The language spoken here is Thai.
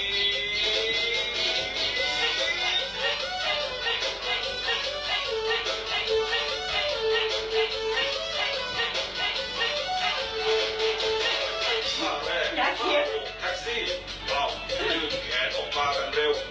มาแรงแท็กซี่พร้อมลืมแขนออกมากันเร็ว